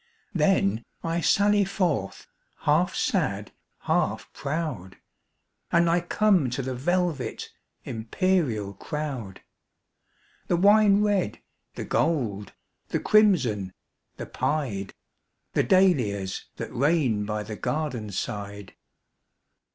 Then, I sally forth, half sad, half proud, And I come to the velvet, imperial crowd, The wine red, the gold, the crimson, the pied,—The dahlias that reign by the garden side.